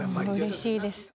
うれしいです。